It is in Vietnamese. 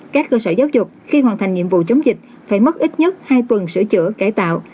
các cơ sở giáo dục khi hoàn thành nhiệm vụ chống dịch phải mất ít nhất hai tuần sửa chữa cải tạo